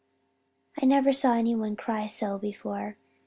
I never saw anyone cry so before.